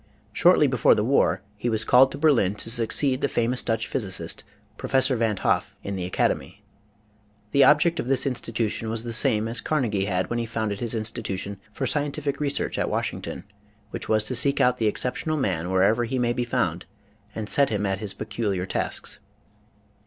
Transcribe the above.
Shortly before the war he was called to Berlin to succeed the famous Dutch physicist, Professor van't Hoif in the Academy. The object of this institution was the same as Carnegie had when he founded his institution for scientific research at Washington, which was to seek out the exceptional man wherever he may WHO IS EINSTEIN? 79 be found and set him at his peculiar tasks.